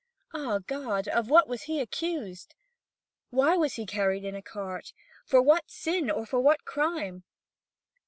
Ah, God, of what was he accused? Why was he carried in a cart? For what sin, or for what crime?